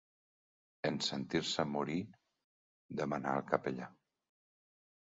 En sentir-se morir, demanà el capellà.